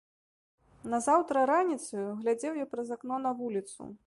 Назаўтра раніцаю глядзеў я праз акно на вуліцу.